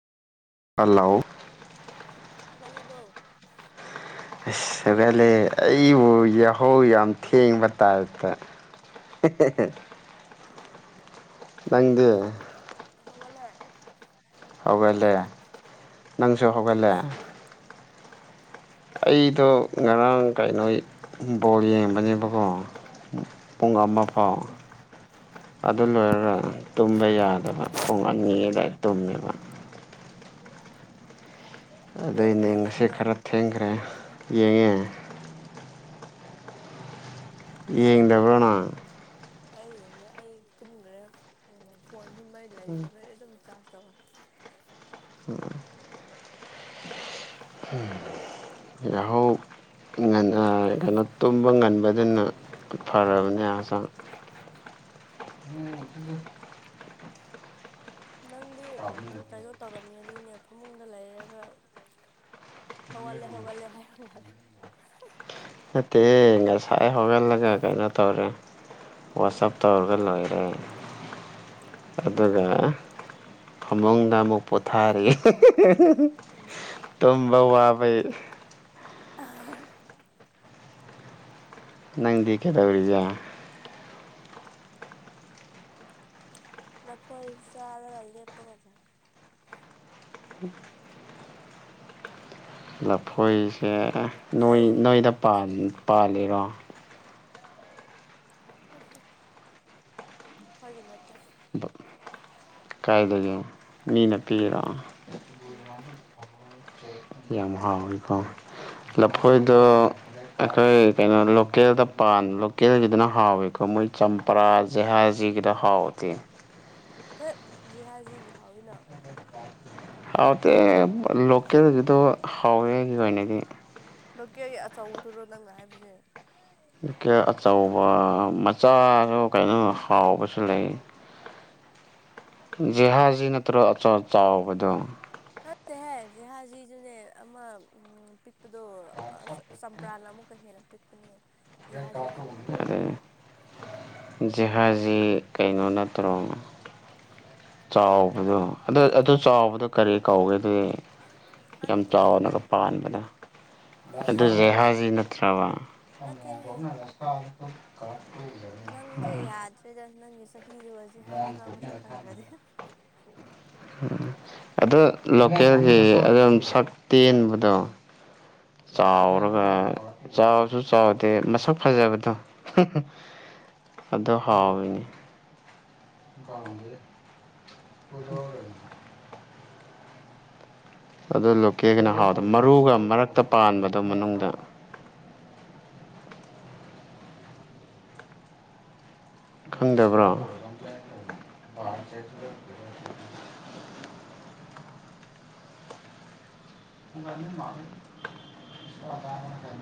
hello ꯍꯧꯒꯜ ꯂꯕꯣ ꯏꯁ ꯍꯔ‌ꯦ ꯍꯜꯂ‌ꯦ ꯑꯩꯕꯨ ꯌꯥꯍꯧ ꯌꯥꯝ ꯊꯦꯡꯕ ꯇꯥꯏꯞꯇ [unintelligible] ꯅꯪꯗꯤ ꯅꯪ ꯍꯧꯒꯂ‌ꯦ ꯍꯧꯒꯜꯂꯦ ꯅꯪꯁꯨ ꯍꯧꯒꯜꯂꯦ ꯑꯩꯗꯣ ꯉꯔꯥꯡ ꯀꯩ ꯅꯣꯏ ꯕꯣꯜ ꯌꯦꯡꯕꯅꯦꯕꯀꯣ ꯄꯨꯡ ꯑꯃꯥ ꯅꯈꯥꯡ ꯐꯥꯎ ꯑꯗꯨ ꯂꯣꯏꯔꯒ ꯇꯨꯝꯕ ꯌꯥꯗꯕ ꯄꯨꯡ ꯑꯅꯤ ꯑꯗꯥꯏ ꯇꯨꯝꯃꯦꯕ ꯅꯪ ꯑꯗꯨꯏꯅꯦ ꯕꯣꯜ ꯉꯁꯤ ꯌꯦꯡꯕ꯭ꯔꯣ ꯈꯔ ꯊꯦꯡꯈ꯭ꯔꯦ ꯌꯦꯡꯉꯦ ꯌꯦꯡꯗꯕ꯭ꯔꯣ ꯅꯪ ꯑꯩ ꯌ‌ꯦꯡꯗ‌ꯦ ꯑꯩ ꯇꯨꯝꯒ꯭ꯔꯦ ꯎꯝ ꯐꯣꯟ ꯗꯨ ꯃꯩ ꯂꯩꯇꯕꯩ ꯑꯗꯨꯝ ꯆꯥꯔꯁ [unintelligible] [unintelligible] ꯌꯥꯍꯧ ꯉꯟꯅ ꯀꯩꯅꯣ ꯇꯨꯝꯕ ꯉꯟꯕꯗꯨꯅ ꯐꯔꯕꯅꯦ ꯍꯆꯥꯡ [inaudible] [unintelligible] ꯅꯪꯗꯤ ꯀꯩꯅꯣ ꯇꯧꯔꯝꯒꯅꯤꯅꯦ ꯐꯃꯨꯡꯗ ꯂꯩꯔꯒ ꯍꯧꯒꯜꯂꯦ ꯍꯧꯒꯜꯂꯦ ꯍꯥꯏꯔ‌‌ꯣ [unintelligible] ꯅꯠꯇꯦ ꯉꯁꯥꯏ ꯍꯧꯒꯜꯂꯒ ꯀꯩꯅꯣ ꯇꯧꯔꯦ ꯋꯥꯁꯑꯞ ꯇꯧꯔꯒ ꯂꯣꯏꯔꯦ ꯑꯗꯨꯒ ꯐꯥꯃꯨꯡꯗ ꯑꯃꯨꯛ ꯄꯣꯊꯥꯔꯦ ꯎꯝ ꯇꯨꯝꯕ ꯋꯥꯕꯩ ꯅꯪꯗꯤ ꯀꯩꯗꯧꯔꯤꯒꯦ ꯂꯐꯣꯏ ꯆꯥꯔꯒ ꯂꯦꯞꯄꯒ ꯂꯩ [unintelligible] ꯂꯐꯣꯏꯁꯦ ꯅꯣꯏ ꯅ‌ꯣꯏꯗ ꯄꯥꯟ ꯁꯣꯏꯔꯦ ꯄꯥꯜꯂꯤꯔꯣ ꯅꯠꯇꯦ ꯈꯣꯏꯒꯤ ꯅꯠꯇꯦ ꯀꯥꯏꯗꯩꯅ‌ꯣ ꯃꯤꯅ ꯄꯤꯔꯣ ꯎꯝ ꯌꯥꯝ ꯍꯥꯎꯋꯤꯀꯣ ꯂꯐꯣꯏꯗ ꯑꯈꯣꯏ ꯀꯩꯅꯣ ꯂꯣꯀꯦꯜꯗ ꯄꯥꯟ ꯂꯣꯀꯦꯜꯒꯤꯗꯨꯅ ꯍꯥꯎꯋꯤꯀꯣ ꯃꯣꯏ ꯆꯝ ꯄꯥꯥꯔꯥ ꯖꯍꯥꯖꯤꯒꯤꯗꯣ ꯍꯥꯎꯇꯦ ꯖꯍꯥꯖꯤꯒꯤ ꯍꯥꯎꯋꯤꯅ ꯍꯥꯎꯇꯦ ꯂꯣꯀꯦꯜꯒꯤꯗꯣ ꯍꯥꯎꯋꯦ ꯑꯩꯒꯤ ꯑꯣꯏꯅꯗꯤ ꯂꯣꯀꯦꯜ ꯒꯤ ꯑꯆꯧꯕꯗꯨꯔꯣ ꯅꯪꯅ ꯍꯥꯏꯕꯖ‌ꯦ ꯂꯣꯀꯦꯜ ꯑꯆꯧꯕ ꯃꯆꯥꯖꯨ ꯀꯩꯅꯣ ꯍꯥꯎꯕꯁꯨ ꯂꯩ ꯖꯤꯍꯥꯖꯤ ꯅꯠꯇ꯭ꯔꯣ ꯑꯆꯥ ꯆꯥꯎꯕꯗꯣ ꯍꯦ ꯖꯍꯥꯖꯤꯖꯨꯅ‌ꯦ ꯑꯃꯥ ꯎꯝ ꯄꯤꯛ ꯄꯗꯣ ꯆꯝꯄ꯭ꯔꯥꯅ ꯑꯃꯨꯛꯀ ꯍꯦꯟꯅ ꯄꯤꯛꯄꯅꯦ ꯖꯤꯍꯥꯖꯤꯗꯤ ꯍꯥꯎꯕꯅꯤ ꯑꯗꯩ ꯍ‌ꯦ ꯀꯩꯅꯣꯅꯦ ꯖꯤꯍꯥꯖꯤ ꯀꯩꯅꯣ ꯅꯠꯇ꯭ꯔꯣ ꯆꯥꯎꯕꯗꯣ ꯑꯗꯨ ꯑꯗꯨ ꯆꯥꯎꯕꯗꯣ ꯀꯔꯤ ꯀꯧꯒꯦ ꯗꯤ ꯌꯥꯝ ꯑꯗꯨꯗꯤ ꯈꯪꯗꯦ ꯆꯥꯎꯅꯒ ꯄꯥꯟꯕꯗꯣ ꯑꯗꯨ ꯖꯤꯍꯥꯖꯤ ꯅꯠꯇ꯭ꯔꯕ ꯅꯠꯇꯦꯍꯦ ꯅꯪꯁꯦ ꯌꯥꯗ꯭ꯔꯦꯗ ꯅꯪꯒꯤ ꯆꯍꯤꯗꯨꯒ ꯖꯤꯍꯥꯖꯤ ꯐꯥꯎ ꯃꯁꯛ ꯈꯪꯗ꯭ꯔꯗꯤ ꯑꯗꯨ ꯂꯣꯀꯦꯜꯒꯤ ꯑꯗꯨꯝ ꯁꯛ ꯇꯦꯟꯕꯗꯣ ꯆꯥꯎꯔꯒ ꯆꯥꯎꯁꯨ ꯆꯥꯎꯗꯦ ꯃꯁꯛ ꯐꯖꯕꯗꯣ ꯑꯗꯣ ꯍꯥꯎꯋꯤꯅꯦ [inaudible] [inaudible] ꯑꯗꯨ ꯂꯣꯀꯦꯜꯒꯤꯅ ꯍꯥꯎꯗꯔꯣ ꯃꯔꯨꯒ ꯃꯔꯛꯇ ꯄꯥꯟꯕꯗꯣ ꯃꯅꯨꯡꯗ ꯈꯪꯗꯕ꯭ꯔꯣ [inaudible] [inaudible]